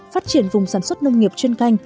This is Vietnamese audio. phát triển vùng sản xuất nông nghiệp chuyên canh